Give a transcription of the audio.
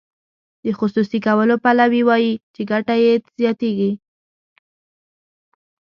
د خصوصي کولو پلوي وایي چې ګټه یې زیاتیږي.